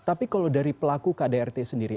tapi kalau dari pelaku kdrt sendiri